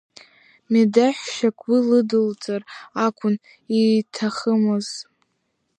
Медеҳәшьак уи лыдылҵар акәын ииҭахымыз.